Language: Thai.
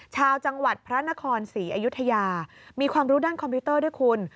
ชาวจังหวัดพระนครศรีอยุธยามีความรู้ด้านคอมพิวเตอร์ด้วยคุณ